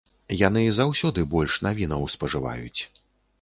Яны заўсёды больш навінаў спажываюць.